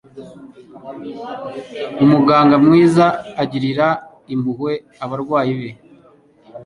Umuganga mwiza agirira impuhwe abarwayi be.